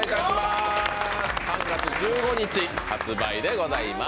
３月１５日発売でございます。